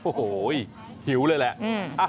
โอ้โหหิวเลยแหละ